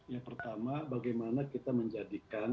yang pertama bagaimana kita menjadikan